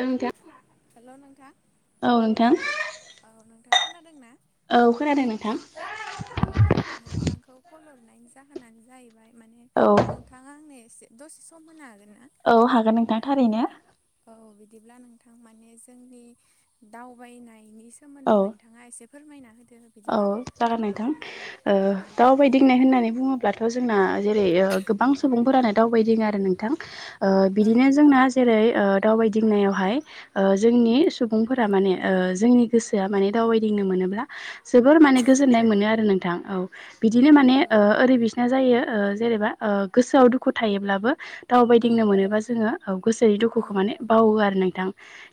औ नोंथां हेलौ नोंथां औ नोंथां औ नोंथाङा खोनादों ना? औ खोनादो नोंथां। औ नोंथांखौ कल हरनायनि जाहोनानो जाहैबाय। माने औ नोंथाङा आंनो एसे दसे सम होनो हागोन ना? औ हागोन नोंथां थारैनो। औ बिदिब्ला नोंथां माने जोंनि दावबायनायनि औ सोमोन्दै नोंथां नोंथाङा एसे फोरमायना होदो। औ बिदिब्ला जागोन नोंथां औ ओ औ दावबायदिंनाय होनना बुङोब्लाथ' जोंना जेरै गोबां औ सुबुंफोरानो दावबायदिङो आरो नोंथां औ बिदिनो नंगौ जोंना जेरै ओ दावबायदिंनायावहाय ओ जोंनि सुबुंफोरा औ माने ओ जोंनि गोसोआ माने औ दावबायदिंनो मोनोब्ला जोबोर माने औ गोजोननाय औ मोनो आरो नोंथां औ बिदिनो औ माने नंगौ ओ ओरै बासिना जायो जेनेबा ओ गोसोआव दुखु थायोब्लाबो औ दावबायदिंनो मोनोबा जोङो गोसोनि औ दुखुखौ माने बावो आरो नोंथां।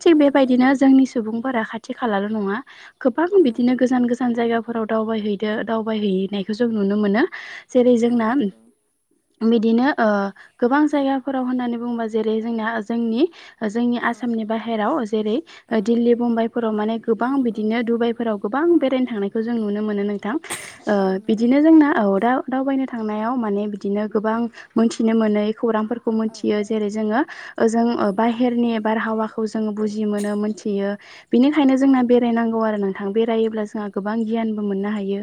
थिग औ बेबायदिनो नंगौ जोंनि सुबुंफोरा खाथि खालाल' नङा गोबां औ बिदिनो गोजान गोजान जायगाफोराव दावबायहैदो दावबायहैनायखौ जों नुनो मोनो। जेरै औ जोंना नंगौ बिदिनो ओ गोबां जायगाफोराव होननानै बुङोबा जेरै जोंना जोंनि जोंनि औ आसामनि बाहेराव जेरै औ दिल्ली मुम्बाइफोराव माने गोबां औ औ बिदिनो डुबाइफोराव गोबां औ बेेरे थांनायखौ जों नुनो मोनो नोंथां ओ औ नंगौ बिदिनो जोंना औ दा दावबायनो थांनायाव माने बिदिनो गोबां मोनथिनो मोनै खौरांफोर औ थियो जेरै जोङो ओ औ बाहेरनि बारहावा खौ जोङो बुजि मोनो मोनथियो औ बेनिखायनो औ जोंना बेरायनांगौ आरो नोंथां बेरायोब्ला जोंहा गोबां गियानबो मोननो हायो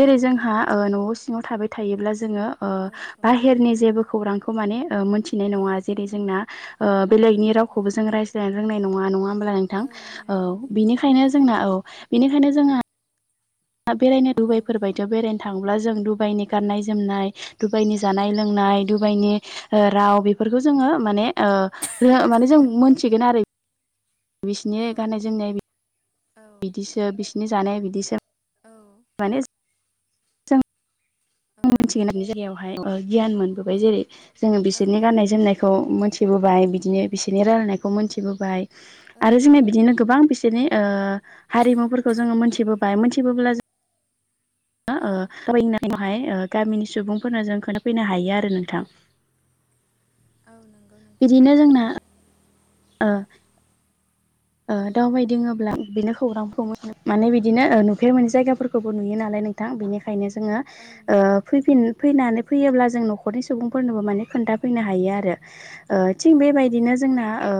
औ जोंहा नंगौ न'आव सिङाव थाबाय थायोब्ला जोङो औ औ बाहेरनि जेबो खौरांखौ माने मोनथि औ न जै जोंना औ बेलेनि नंगौ रावखौबो जों रायज्लायनो रोंनाय नङा नङा हब्ला नोंथां नंगौ औ नंगौ बिनिखायनो जोंना औ बेनिखायनो जोंना बेरायनो औ डुबाइफोर बायदियाव बेरायनो थांङोब्ला जों डुबाइनि गाननाय जोमनाय डुबाइनि जानाय औ लोंनाय डुबाइनि राव बेफोरखौ जोङो माने माने जों मोनथिगोन आरो बिसिनि औ गाननाय जोमनाय औ बिदिसो बिसिनि जानाय बिदिसो औ माने जों औ आं नंगौ मिथिगोनानि जायगायावहाय गियान मोनबोबाय जेरै जोङो औ बिसोरनि औ गाननाय जोमनायखौ औ मोनथिबोबाय बिदिनो बिसोरनि रायलायनायखौ मोनथिबोबाय आरो जोङनि बिदिनो गोबां बिसोरनि हारिमुफोरखौ जोङो औ मोनथिबोबाय मोनथिबोब्ला जों औ फैनायावहाय गामिनि सुबुंफोरनो जों खोन्थाफैनो हायो आरो नोंथां औ नंगौ नोंथां बिदिनो जोंना ओ औ दावबायदिङोब्ला बेनो खौरां माने बिदिनो नुफेर मोनै जायगाफोरखौबो नुयो नालाय नोंथां बेनिखायनो जोङो औ ओ नंगौ फैफिन फैनानै फैयोब्ला जों न'खरनि सुबुंफोरनोबो माने खोन्थाफैनो हायो आरो ओ औ थिग नंगौ बेबायदिनो जोंना ओ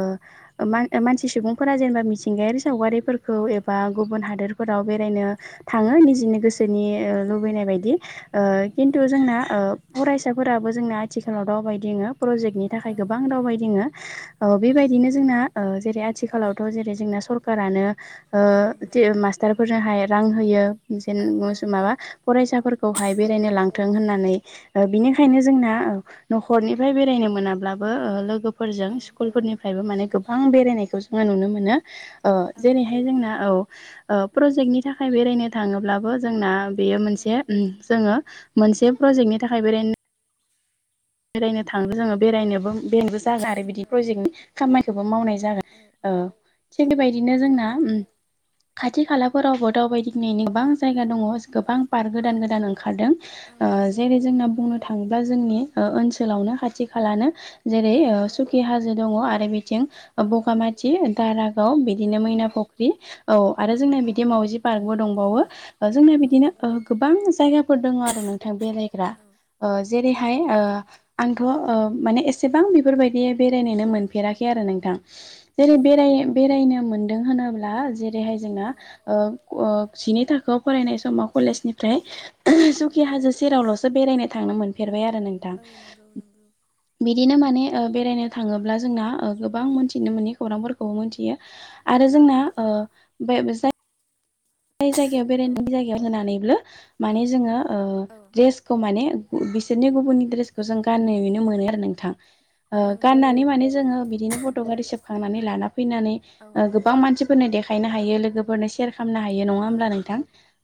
मान मानसिसि सुबुंफोरा जेनेबा मिथिंगायारि सावगारिफोरखौ औ एबा गुबुन हादोरफोराव बेरायनो थाङो निजिनि औ गोसोनि ओ लुबैनाय बायदि ओ औ खिन्थु जोंना ओ फरायसाफोराबो जोंना आथिखालाव दावबायदिङो प्रजेक्ट बिनि थाखाय औ गोबां दावबायदिङो ओ औ बेबायदिनो नंगौ जोंना ओ जेरै आथिखालाव थ' जेरै जोंना सरखारानो ओ औ नंगौ मास्टारफोरनोहाय रां होयो जेन औ माबा फरायसाफोरखौहाय औ बेरायनो लांथों होननानै औ बिनिखायनो नंगौ जोंना न'खरनिफ्राय बेरायनो मोनाब्लाबो ओ लोगोफोरजों औ स्कुलफोरनिफ्रायबो माने गोबां बेरायनायखौ जों ङो नुनो मोनो औ नंगौ जेरैहाय जोंना औ ओ प्रजेक्टनि थाखाय बेरायनो थाङोब्लाबो जोंना औ बेयो मोनसे ओम जोङो मोनसे प्रजेक्टनि थाखाय बेरायनो बेरायनो थाङो जोङो बेरायनोबो बेरायनोबो जागोन आरो बिदि औ प्रजेक्ट नि खामानिखौबो मावनाय जायो औ थिग बेबायदिनो जोंना नंगौ खाथि खालाफोरावबो दावबायदिंनायनि गोबां जायगा दङ गोबां पार्क गोदान औ गोदान ओंखारदों औ ओ औ जेरै औ जोंना बुंनो नंगौ थाङोब्ला जोंनि ओ ओनसोलावनो खाथि खालानो जेरै औ सुखि हाजो दङ आरो थिं औ औ बगामाति दारागाव बिदिनो मै औ फख्रि औ आरो जोंना बि मावजी पार्कबो दंबावो दा जोंना औ बिदिनो नंगौ नोंथां गोबां जायगाफोर दङ आरो नोंथां बेरायग्रा औ ओ जेरैहाय औ ओ आंथ' ओ माने एसेबां बेफोरबायदि बेरायनोनो मोनफेराखै आरो नोंथां औ जेरै बेराय बेरायनो मोनदों होनोब्ला जेरैहाय औ जोंना ओ ओ सिनि थाखाय बेखौ फरायनाय समाव औ कलेजनिफ्राय सुखि हाजो सेरावल'सो बेरायनो थांनो मोनफेरबाय आरो नों दा नंगौ नंगौ बिदिनो माने ओ बेरायनो थाङोब्ला जोंना ओ गोबां मोनथिनो मोनै खौरांफोरखौबो मोनथियो आरो जोंना ओ बे जाय ज जायगायाव औ बेरायनायनि जायगायाव होनानैबो माने औ औ जोङोे खौ माने बिसोरनि गुबुननि ड्रेसखौ जों गाननाय हैनो मोनो आरो नोंथां ओ औ नंगौ गाननानै माने नंगौ जोङो बिदिनो पट' आरि सेबखांनानै लाना फैनानै औ गोबां मानसि फोरनो देखायनो हायो लोगोफोरनो सेयार खालामनो हायो नङा औ होनबा नोंथां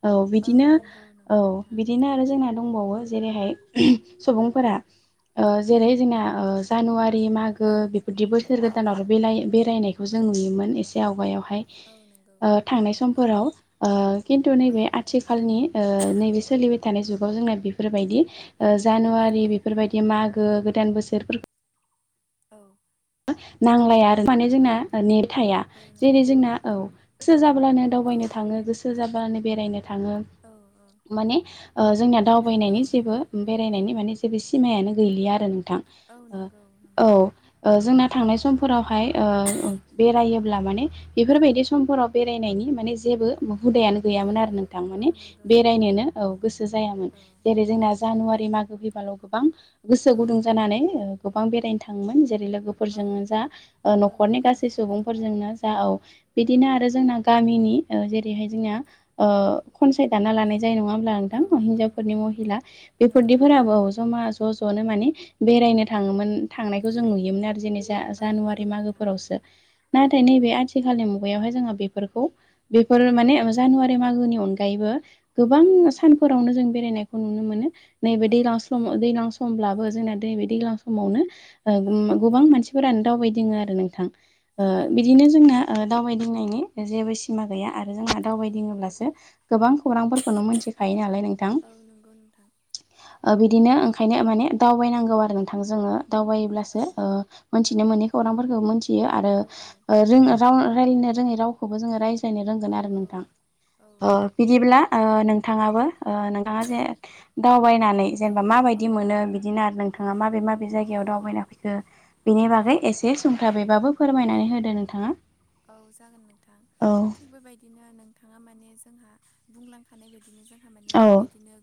औ बिदिनो नंगौ नंगौ नोंथां बिदिनो आरो जोंना दंबावो जेरैहाय सुबुंफोरा ओ जेरै जोंना जानुवारि माग गो औ बेफोरदि बोसोर औ औ गोदानाव बेलाय बेरायनायखौ औ जों नुयोमोन एसे आवगायावहाय। औ नंगौ ओ थांनाय औ समफोराव। ओ खिन्थु औ नैबे नंगौ आथिखालनि ओ औ नैबे सोलिबाय थानाय जुगाव जोंना बेफोरबायदि ओ औ जानुवारि बेफोरबायदि मागो गोदान बोसोरफोरखौ औ। नांलाया आरो माने जोंना औ नेट थाया औ जेरै नंगौ जोंना औ। गोसो जाब्लानो औ दावबायनो थाङो गोसो सो जाबानो बेरायनो थाङो औ माने जोंनि औ दावबायनायनि जेबो नंगौ बेरायनायनि माने जेबो सिमायानो गैलिया आरो नोंथां औ नंगौ औ नंगौ ओ जोंना थांनाय समफोरावहाय बेरायोब्ला माने बेफोरबायदि समफोराव बेरायनायनि माने जेबो हुदायानो औ गैयामोन आरो नोंथां औ माने नंगौ नंगौ बेरायनोनो औ गोसो जायामोन औ जेरै जोंना नंगौ नोंथां जानुवारि मागो फैबाल' गोबां गोसो औ गुदुं जानानै गोबां बेरायनो थाङोमोन जेरै औ लोगोफोरजोंनो जा औ न'खरनि नंगौ गासै नोंथां सुबुंफोरजोंनो जा औ। बिदिनो आरो जोंना गामिनि जेरैहाय जोंना खनसायदाना लानाय नंङा होनबा औ नोंथां नंगौ हिनजावफोरनि नोंथां नंगौ महिला नंगौ बेफोरदि फोरदि जमा ज' ज'नो माने बेरायनो थांङोमोन थांनायखौ जों नुयोमोन आरो जेन औ जानुवारि नंगौ नोंथां मागोफोरावसो औ नाथाय नैबे आथिखालनि मुगायावहाय जोंहा बेफोरखौ बेफोर औ माने जानुवारि मागोनि अनगायैबो गोबां औ नंगौ सान फोवनो जों बेरायनायखौ नुनो मोनो नैबे औ दैलां स्लम दैज्लां समब्लाबो जोंनाै बे दै्लां औ समावनो नंगौ नोंथां खाथिफोरानो दावबायदिंङो आरो नोंथां औ नंगौ बिदिनो जोंना ओ दावबायदिंनायनि जेबो सिमा गैया आरो जोंहा औ दावबायदिंङोब्लासो गोबां खौरांफोरखौनो मिथिखायो नालाय नोंथां। औ नंगौ नोंथां ओ बिदिनो औ ओंखायनो माने दावबायनांगौ आरो नोंथां जोंङो दावबायोब्लासो औ ओ औ मोनथिनो मोनै खौरांफोरखौ मोनथियो आरो औ रों राव रायलायनो रोंङै रावखौबो जोंङो रायज्लायनो रोंगोन औ आरो नोंथां। बिदिब्ला ओ नोंथांङाबो ओ नोंथाङा जे दावबायनानै जेनेबा औ माबायदि औ मोनो बिदिनो आरो नोंथांङा माबे माबे जायगायाव दावबायना फै बेनि औ बागै एसे सुंथाबैबाबो फोरमायनानै होदो नोंथांङा औ जागोन नोंथां थिग बेबायदि बिदिनो नोंथांङा माने जोंहा बुंलांखानाय बायदिनो जोंहा माने औ बेबायदिनो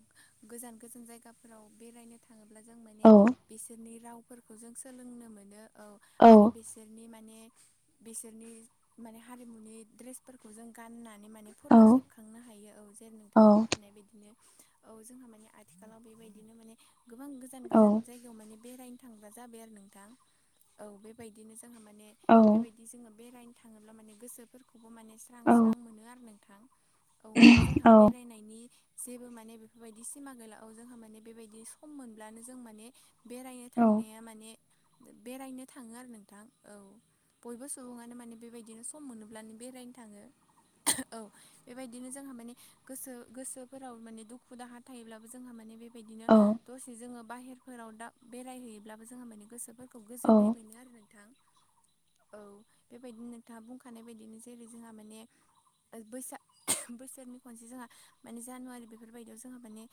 गोजान-गोजान जायगाफोराव बेरायनो थांङोब्ला जों माने औ बिसोरनि राव फोरखौ जों सोलोंनो मोनो औ आरो बिसोरनि माने बिसोरनि माने हारिमुनि दड्रेस फोरखौ जों गाननानै माने औ फट' सेबखांनो हायो औ जैर औ नोंथाङा बुंखानाय बादिनो औ जोंहा माने आथिखालाव बेबायदिनो मान गोबां गोजान- औ गोजान जाय बेरायनो थांग्रा जाबाय आरो नोंथां औ बेबायदिनो जोंहामाने बेबाय बिदि जोंङो बेरायनो थांङोब्ला माने गोसोफोरखौबो माने स्रां- औ स्रां मोनो आरो नोंथां। औ माने जोंहा औ बेरायनायनि जेबो माने बेफोरबायदि सिमा गोैलाआव जोंहा माने बेबायदि सम मोनब्लानो जों माने बेरायनो औ थांनाया माने बेरायनो थांङो आरो नोंथां औ बयबो सुबुंङानो माने बेबायदिनो सम मोनोब्लानो बेरायनो थांङो। औ बेबायदिनो जोंहा माने गोसो गोसोफोराव माने दुखु-दाहा थायोब्लाबो जोंहा माने बे बिदिनो औ दसे जोंङो बाहेरफोराव दा बेरायहैयोब्लाबो जोंहा माने गोसोफोर खौ गोजोननाय औ मोनो आरो नोंथां। औ बे बायदिनो नोंथांङा बुंखानाय बायदिनो जेरै जोंहा माने ओ बैसा बोसोरनि खनसे जोंहा माने जानुवारि बेफोरबायदियाव जोंहा माने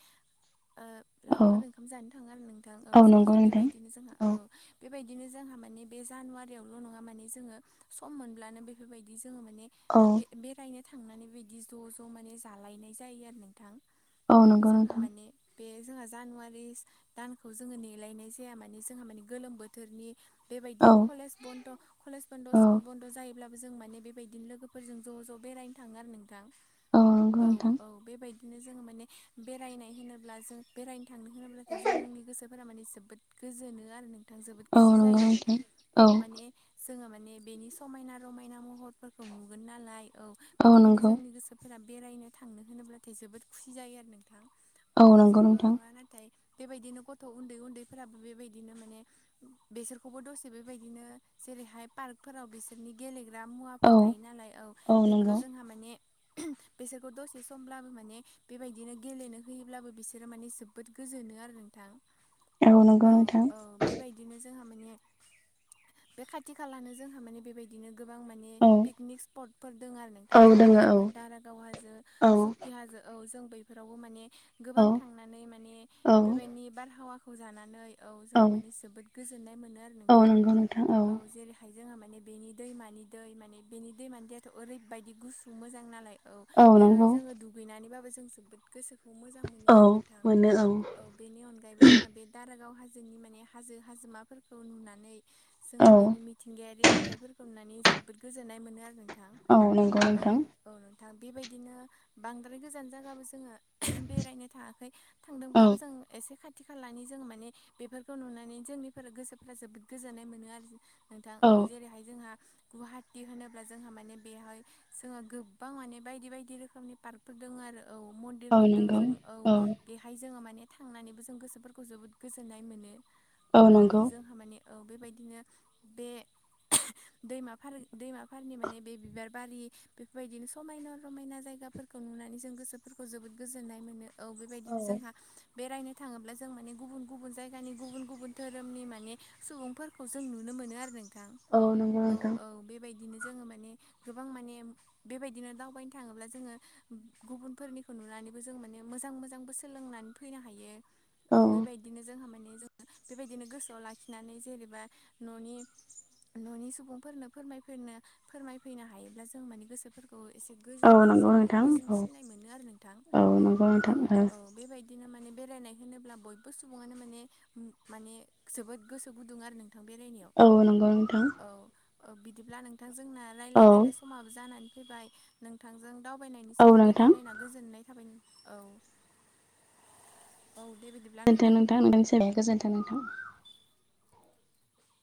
ओ औ लावखार ओंखाम जानो थांङो आरो नोंथां। औ ज' नंगौ ज' नोंथां बेबायदिनो जोंहा औ बेबायदिनो जोंहा माने बे जानुवारियावल' नंङा माने जोंङो सम मोनब्लानो बेफोरबायदि जोंङो माने औ ओ बे-बेरायनो थांनानै बिदि ज' ज' माने जालायनाय जायो आरो नोंथां। औ नंगौ जोंहा नोंथां माने बे जोंहा जानुवारि दानखौ जोंङो नेलायनाय जाया माने जोंहा माने गोलोम बोथोरनि बेबायदि औ कलेज बन्द' कलेज बन्द' औ स्कुल बन्द' जायोब्लाबो जों माने बेबायदिनो लोगोफोरजों ज' ज' बेरायनो थांङो आरो नोंथां। नंगौ औ नोंथां औ बेबायदिनो जोंङो माने बेरायनाय होनोब्ला जों बेरायनो थांनो होनोब्लाथाय जोंनि गोसोफोरा माने जोबोद गोजोनो आरो नों थां जोबोद औ खुसि नंगौ जायो। नोंथां औ माने जोंहा माने बेनि समायना रमायना महरफोरखौ नुगोन नालाय औ बेनिखायनो जोंनि गोसो फोरा बेरायनो थांनो होनोब्लाथाय जोबोद खुसि जायो आरो नोंथां। औ नंगौ जोंल' नोंथां नंङा नाथाय बेबायदिनो गथ' उन्दै उन्दैफोराबो बेबायदिनो माने बेसोरखौबो दसे बेबायदिनो जेरैहाय पार्क फोराव बिसोरनि गेलेग्रा मुवाफोर औ थायो नालाय औ बेफोराव जोंहा माने बेसोरखौ दसे समब्लाबो माने बेबायदिनो गेलेनो होयोब्लाबो बिसोरो माने जोबोद गोजोनो आरो नोंथां। नंगौ औ नोंथां औ बेबायदिनो जोंहा माने बे खाथि खालानो जों हा माने बेबायदिनो गोबां माने औ ए पिकनिक सिपथफोर दं आरो औ नोंथां। जेरैहाय दोङो जोंहा दारागाव हाजो औ सुकि हाजो औ जों बैफोरावबो माने औ गोबां थांनानै माने औ बेबायनि बारहावाखौ जानानै औ जोंहा माने जोबोद गोजोननाय मोनो आरो औ नोंथां। नंगौ नोंथां औ जेरै जोहा माने बेनि दैमानि दै माने बेनि दैमानि दैयाथ' ओरैबायदि गुसु मोजां नालाय औ। बेहाय जोङो दुगैनानैबाबो जों जोबोद गोसोखौ मोजां मोनो औ आरो नोंथां। मोनो औ बेनि अनगायैबो जोंहा बे दारागाव हाजोनि माने हाजो हाजोमाफोरखौ नुनानै जोङो औ बेनि मिथिंगायारि नुथायफोरखौ नुनानै जोबोद गोजोननाय मोनो आरो नों थां औ नंगौ औ नोंथां औ नोंथां बेबायदिनो बांद्राय गोजान जागाबो जोङो बेरायनो थाङाखै। औ थांदोंब्लाबो जों एसे खाथि खालानि जोङो माने बेफोरखौ नुनानै जोंनिफोरा गोसोफोरा जोबोद गोजोननाय मोनो आरो जो नोंथां औ जेरैहाय जोंहा गुहाटि होनोब्ला जोंहा माने बेहाय जोंहा गोबां माने बायदि बायदि रोखोमनि पार्कफोर दङ आरो औ मिन औ दिरफोरदों नंगौ जों औ। बेहाय जोङो माने थांनानैबो जों गोसोफोरखौ जोबोद गोजोननाय मोनो। औ जोंहा माने औ बेबायदिनो बे दैमाफारो दैमाफारनि माने बे बिबार बारि बेफोरबायदिनो समायना रमायना जायगाफोर खौ नुनानै जों गोसोफोरखौ जोबोद गोजोननाय मोनो औ बेबायदिनो जोंहा बेरायनो थाङोब्ला जों माने गुबुन गुबुन जायगानि गुबुन गुबुन धोरोमनि माने सुबुंफोरखौ जों नु नो मोनो आरो नोंथां। औ नंगौ औ नोंथां औ बेबायदिनो जोङो माने गोबां माने बेबायदिनो दावबायनो थाङोब्ला जोङो गुबुनफोरनिखौ नुनानैबो जों माने मोजां मोजांबो सोलोंनान फैनो हायो। औ बेबायदिनो जोंहा माने जों [unintelligible] बेबायदिनो गोसोआव लाखिनानै जेनेबा न'नि न'नि सुबुंफोरनो फोरमायफैनो फोरमायफैनो हायोब्ला जों माने गोसोफोरख थ' एसे औ नंगौ गोजोननायसिमो नोंथां औ गोजोनसिननाय मोनो आरो नोंथां। औ नंगौ औ नोंथां औ बेबायदिनो माने बेरायनाय होनोब्ला बयबो सुबुङानो माने मो माने जोबोद गोसो गुदुं आरो नोंथां बेरायनायाव औ नंगौ नोंथां। औ औ बिदिब्ला नोंथां जोंना औ रायलाय रायलाय समाबो जानानै फैबाय नोंथांजों दावबायनायनि औ सोमोन्दै नोंथां रायलायना गोजोननाय थाबाय औ औ दे बिदि गोजोनथों नोंथां नोंखनि सोर जाया गोजोनथों नोंथां [unintelligible]